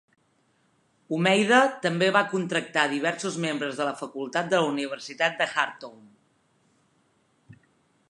Homeida també va contractar diversos membres de la facultat de la Universitat de Khartoum.